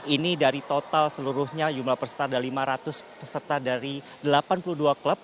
ini dari total seluruhnya jumlah peserta ada lima ratus peserta dari delapan puluh dua klub